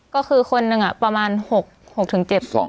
ก็คือคนหนึ่งอ่ะประมาณหกหกถึงเจ็บสอง